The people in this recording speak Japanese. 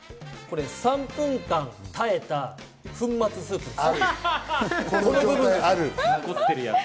３分間耐えた粉末スープです。